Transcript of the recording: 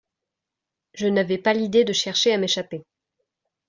Je n'avais pas l'idée de chercher à m'échapper.